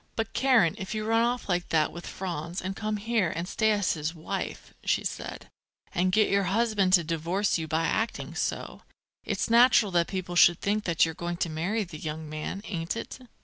"But, Karen, if you run off like that with Franz and come here and stay as his wife," she said, "and get your husband to divorce you by acting so, it's natural that people should think that you're going to marry the young man, ain't it?"